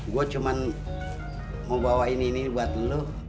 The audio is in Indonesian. gue cuma mau bawain ini buat lo